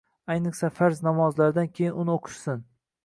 ayniqsa farz namozlaridan keyin uni o‘qisin.